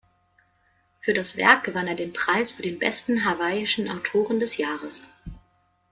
Für das Werk gewann er den Preis für den besten hawaiischen Autoren des Jahres.